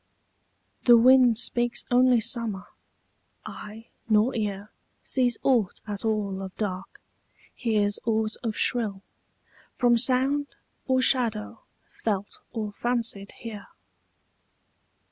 The wind speaks only summer: eye nor ear Sees aught at all of dark, hears aught of shrill, From sound or shadow felt or fancied here.